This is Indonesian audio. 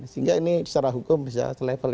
sehingga ini secara hukum bisa selevel